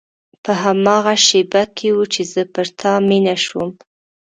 په هماغه شېبه کې و چې زه پر تا مینه شوم.